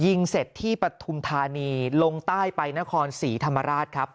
ยิงเสร็จที่ปฐุมธานีลงใต้ไปนครศรีธรรมราชครับ